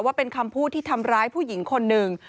ว่าเป็นคำพูดที่ทำร้ายผู้หญิงคนหนึ่ง